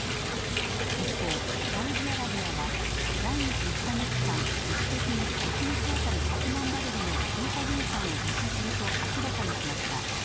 一方、サウジアラビアは来月１か月間、自主的に一日当たり１００万バレルの追加減産を実施すると明らかにしました。